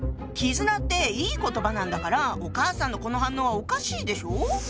「絆」っていい言葉なんだからお母さんのこの反応はおかしいでしょ？